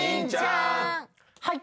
はい。